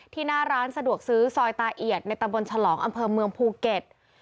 หน้าร้านสะดวกซื้อซอยตาเอียดในตะบนฉลองอำเภอเมืองภูเก็ต